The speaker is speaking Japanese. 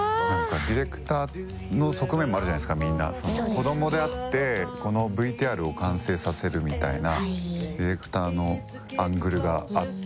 こどもであってこのＶＴＲを完成させるみたいなディレクターのアングルがあって。